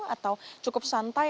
atau cukup santai